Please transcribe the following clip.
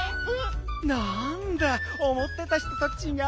なんだおもってた人とちがうね。